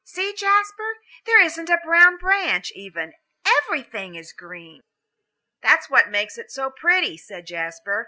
"See, Jasper, there isn't a brown branch, even. Everything is green." "That's what makes it so pretty," said Jasper.